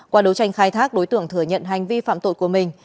qua đấu tranh khai thác đối tượng thừa nhận hành vi phạm tội của mình